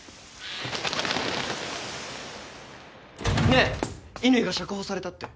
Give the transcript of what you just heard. ねえ乾が釈放されたって。